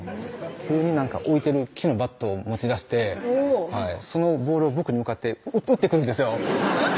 急に置いてる木のバットを持ちだしてそのボールを僕に向かって打ってくるんですよ